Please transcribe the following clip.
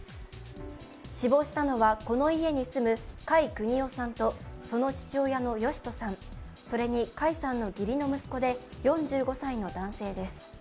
死亡したのは、この家に住む甲斐邦雄さんとその父親の義人さん、それに甲斐さんの義理の息子で４５歳の男性です。